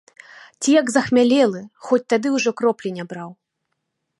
Ці як захмялелы, хоць тады ўжо кроплі не браў.